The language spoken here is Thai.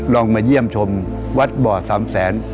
ลองมาเยี่ยมชมวัดบ่อสามแสน